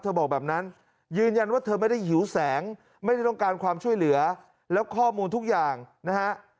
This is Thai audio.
แล้วก็บอกแบบนั้นยืนยันว่าแฮท์หิวแสงไม่ได้ต้องการความช่วยเหลือและข้อมูลทุกอย่างนะฮะ